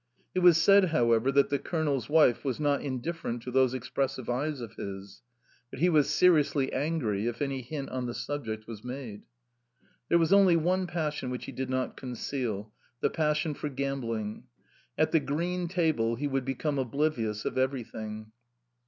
It was said, however, that the colonel's wife was not indifferent to those expressive eyes of his; but he was seriously angry if any hint on the subject was made. There was only one passion which he did not conceal the passion for gambling. At the green table he would become oblivious of everything.